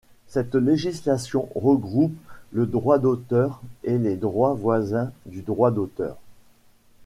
Cette législation regroupe le droit d'auteur et les droits voisins du droit d'auteur.